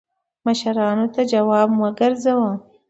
مشرانو ته جواب مه ګرځوه